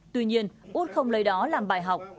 tuy nhiên út không lấy đó làm bài học